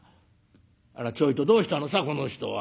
あらちょいとどうしたのさこの人は。